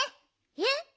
えっ！